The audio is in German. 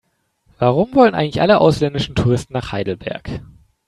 Warum wollen eigentlich alle ausländischen Touristen nach Heidelberg?